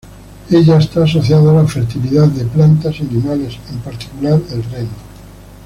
Ella está asociada a la fertilidad de plantas y animales, en particular, el reno.